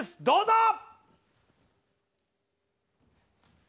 どうぞ！